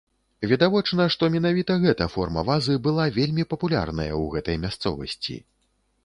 Відавочна, што менавіта гэта форма вазы была вельмі папулярная ў гэтай мясцовасці.